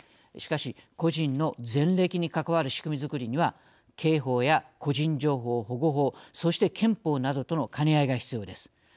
しかし個人の前歴に関わる仕組み作りには刑法や個人情報保護法そして憲法などとの兼ね合いが必要です。